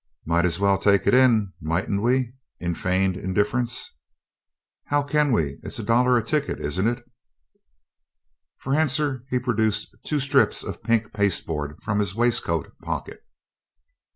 "Might as well take it in, mightn't we?" in feigned indifference. "How can we? It's a dollar a ticket, isn't it?" For answer he produced two strips of pink pasteboard from his waistcoat pocket.